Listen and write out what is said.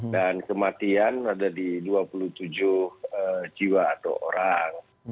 dan kematian ada di dua puluh tujuh jiwa atau orang